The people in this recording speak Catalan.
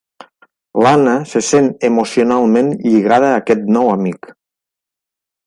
L'Anna se sent emocionalment lligada a aquest nou amic.